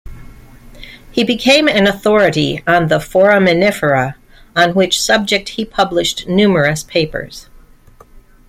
He became an authority on the foraminifera, on which subject he published numerous papers.